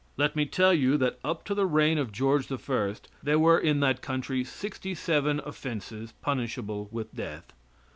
Let me tell you that up to the reign of George I. there were in that country sixty seven offenses punishable with death.